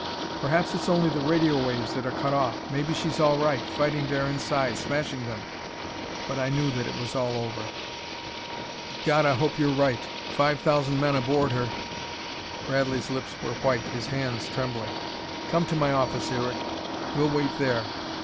"Perhaps it's only the radio waves that are cut off. Maybe she's all right, fighting there inside, smashing them." But I knew that it was all over. "God, I hope you're right. Five thousand men aboard her." Bradley's lips were white, his hands trembling. "Come to my office, Eric; we'll wait there.